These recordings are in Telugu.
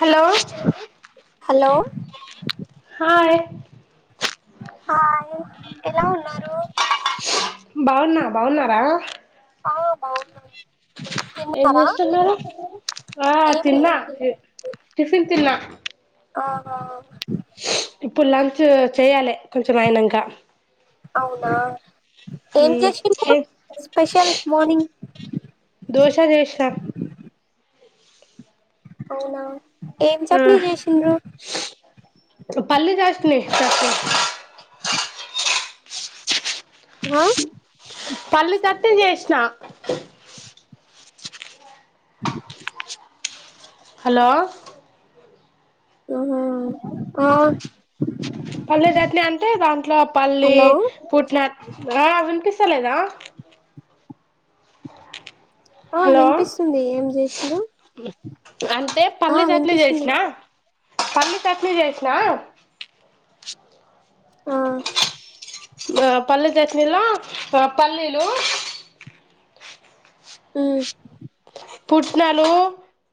హలో హలో హాయ్ హాయ్ ఎలా ఉన్నారు బాగున్నా బాగున్నారా ఆ బాగున్న ఏం చేస్తున్నారు ఆ ఏమి తిన్నా టిఫిన్ తిన్నా ఆహా ఇప్పుడు లంచ్ చేయాలె కొంచెం అయినంకా అవునా ఏం చేసిండ్రు స్పెషల్ మార్నింగ్ దోశ చేసిన అవునా ఏం చట్నీ చేసిండ్రు పల్లి చట్నీ హా పల్లి చట్నీ చేసినా హలో ఉహూ ఆ పల్లి చట్నీ అంటే దాంట్లో పల్లి హలో పుట్నాలు ఆ వినిపిస్త స్తలేదా ఆ హలో వినిపిస్తుంది ఏం చేసిండ్రు అంటే ఆ పల్లి చట్నీ వినిపిస్తుంది చేసినా పల్లి చట్నీ చేసిన ఆ ఆ పల్లె చట్నీలో ఆ పల్లీలు హు పుట్నాలు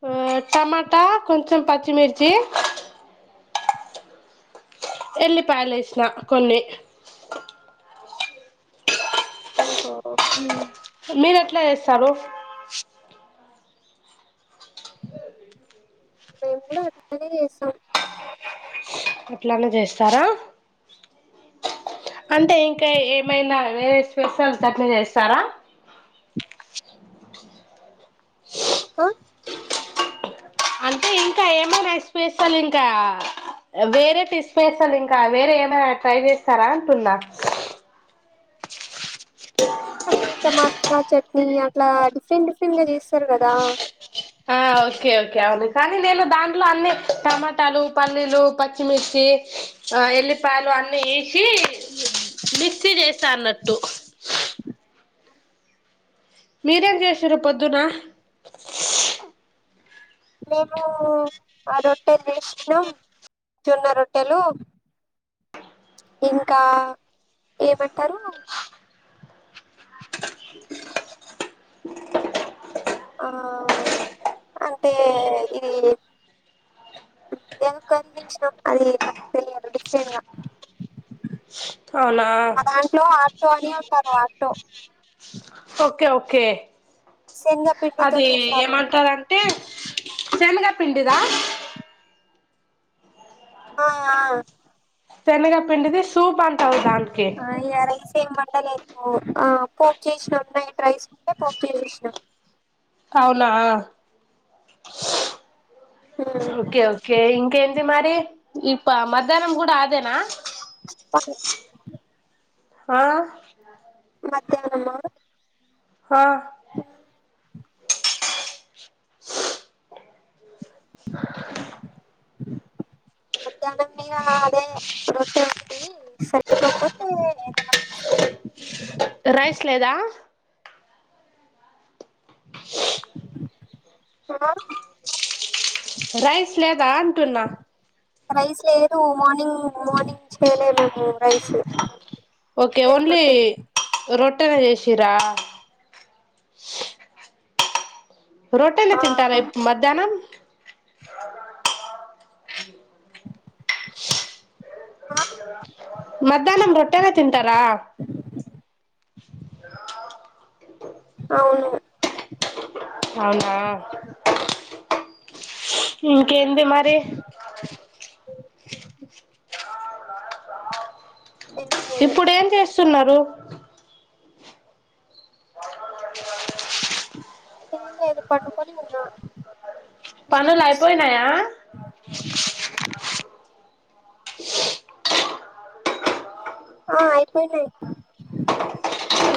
ఊ టమాటా కొంచెం పచ్చిమిర్చి ఎళ్ళిపాయలేసిన కొన్ని ఓహో మీరు ఎట్లా చేస్తారు మేము కూడా అట్లానే చేస్తాం అట్లనే చేస్తారా అంటే ఇంకా ఏమైనా ఉమ్, వేరే స్పెషల్స్ అట్ల చేస్తారా అ అంటే ఇంకా ఏమైనా స్పెషల్ ఇంకా వేరేటి స్పెషల్ ఇంకా వేరే ఏమైనా ట్రై చేస్తారా అంటున్నా అంటే టమాటా చట్నీ అట్లా డిఫరెంట్ డిఫరెంట్ గా చేస్తారు కదా ఆ ఓకే ఓకే అవును కానీ నేను దాంట్లో అన్ని టమాటాలు పల్లీలు పచ్చిమిర్చి ఆ ఎల్లిపాయలు అన్ని వేసి మిక్సీ చేస్తా అన్నట్టు మీరేం చేసిర్రు పొద్దున మేము ఆ రొట్టెలు చేసినాం జొన్న రొట్టెలు ఇంకా ఏమంటరు ఆ అంటే ఇది ఎందులి [unintelligible] చేసినాం అది నాకు తెలియదు డిఫరెంట్గా అవునా కానీ అ [unintelligible] ఆటో ఓకే ఓకే శనగ పిండితో అది చేస్తారు ఏమంటారంటే సేమగా [unintelligible] పిండిదా ఆ ఆ శెనగ పిండిది సూప్ అంటావు దాంకే ఆ ఇగ రైస్ ఏం వండలేదు పోక్ చేసినా నైట్ రైస్ ఉంటే పోక్ చేససినాం అవునా ఉమ్ ఓకే ఓకే ఇం కేంటి మరి ఇప్ప మధ్యాహ్నం కూడా అదేనా అదే ఆ మధ్యానం కూడా హా [unintelligible] [unintelligible] [unintelligible] [inaudible] అే మీరు రాదే [unintelligible] రొట్టే ఉంది సరిపోకపోతే ఏదైనా చేస్తా రైస్ లేదా [inaudible] హలో రైస్ లేదా అంటున్నా రైస్ లేదు మార్నింగ్ మార్నింగ్ చేయలే మేము రైస్ ఓకే ఓన్లీ రోటి పట్టనే [unintelligible] చేసీరా రోటీనే ఆ తింటారా మధ్యాహ్నం [unintelligible] హ మధ్యాహ్నం రొట్టెలే తింటారా అవును అవునా ఇంకేంది మరి ఏం లేదు ఇప్పుడు ఎం చేస్తున్నారు ఏంలేదు పడుకొని ఉన్నా మీరేం పనులు అయిపోనాయ చేస్తున్నారు ఆ అయిపోయినాయి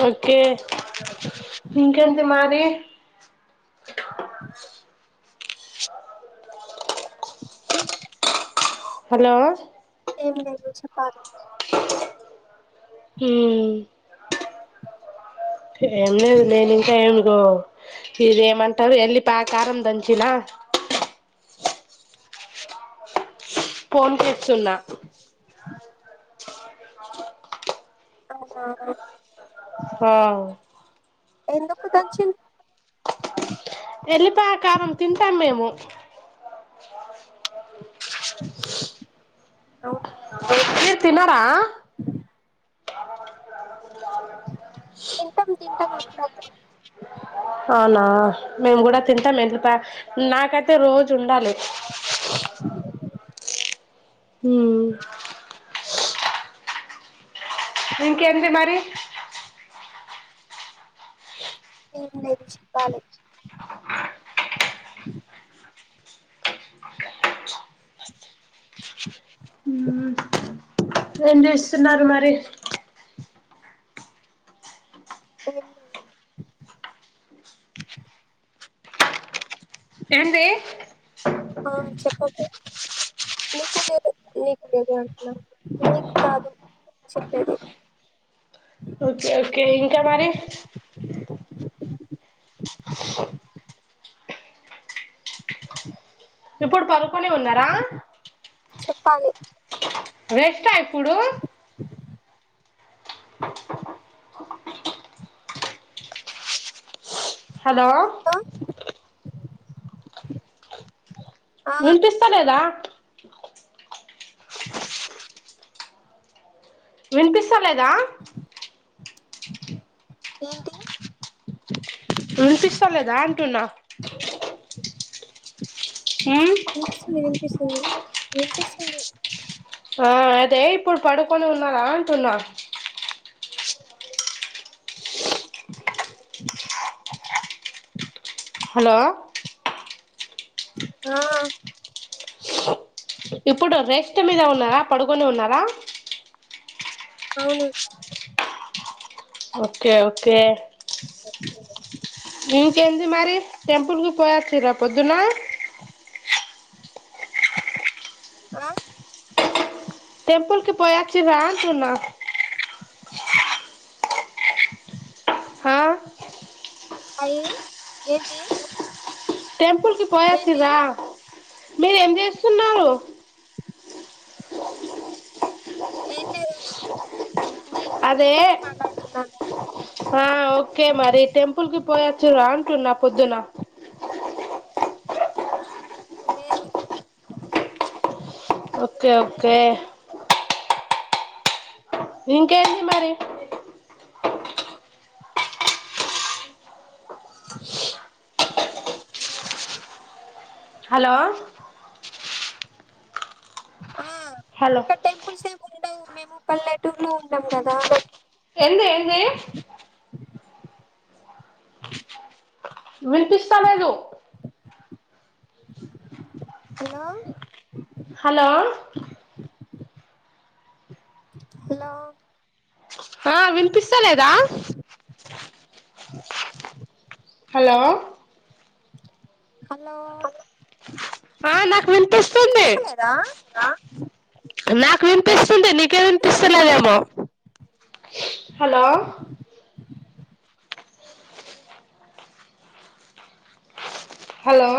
ఒకే ఇంకెంది మారి హలో ఏం లేదు చెప్పాలి హు ఏం లేదు నేను ఇంక ఏంగో ఇదేమంటారు ఎల్లిపాయ కారం దంచిన ఫోన్ కే సున్నా అవునా హ ఎందుకు దంచిల్ ఎల్లిపా కారం తింటాం మేము అవున మీరు తినార [unintelligible] తింటాం తింటాం అప్పుడప్పుడు అవునా మేము కూడ త ఎట్ నాకైతే రోజు ఉండాలి హు ఇంకేంది మరి ఎం లేదు చెప్పాలి ఎం చేస్తున్నారు మరి ఎం లేదు ఏంది ఆ చెప్పకు నీకు లేదు నీకు లేదు అంటున్నా నీకు కాదు చెప్పేది ఒకే ఒకే ఇంకా మరి ఇప్పుడు పడుకొని ఉన్నారా చెప్పాలి రెస్టా ఇప్పుడు హలో ఆ ఆ వినిపిస్త లేద వినిపిస్తా లేదా ఏంటి వినిపిస్తలేదా అంటున్నా ఉమ్ వినిపిస్తుంది వినిపిస్తుంది వినిపిస్తుంది ఆ అదే ఇప్పుడు పడుకొని ఉన్నారా అంటున్నా హలో ఆ ఇప్పుడు రెస్ట్ మీద ఉన్నారా పడుకొని ఉన్నారా అవును ఓకే ఓకే [inaudible] ఇంకేంది మరి టెంపుల్కి పోయాచ్చిరా పొద్దున ఆ టెంపుల్కి పోయాచ్చిరా అంటున్న హా సాయి ఏంటి టెంపుల్ కి ఏంటి పోయాచిరా మీరు ఏమి చేస్తున్నారు ఏం లేదు నీ అదే మీతోనే మాట్లాడుతున్నాను ఆ ఓకే మరి టెంపుల్ కి పోయా పోయచీరా అంటున్నా పొద్దున లేదు ఓకే ఓకే ఇంకేంటి మరి హలో ఆ హలో ఇక్కడ టెంపుల్స్ ఏమి ఉండవు మేము పల్లెటూరులో ఉంటాం గదా ఎందే ఎందే [inaudible] వినిపిస్తా లేదు హలో హలో హలో హా వినిపిస్తలేదా హలో హలో ఆ నాకు వినిపిస్తుంది వినిపిస్తలేదా ఆ నాకు వినిపిస్ వినిపిస్తుంది గదా హలో హలో